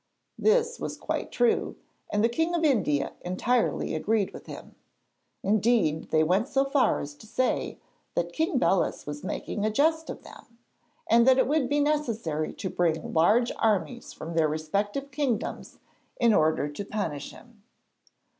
This was quite true, and the King of India entirely agreed with him. Indeed, they went so far as to say that King Belus was making a jest of them, and that it would be necessary to bring large armies from their respective kingdoms in order to punish him.